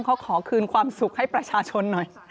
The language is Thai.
เขาขอคืนความสุขให้ประชาชนหน่อย